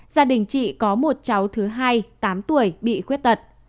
gia đình chị có một cháu thứ hai tám tuổi bị khuyết tật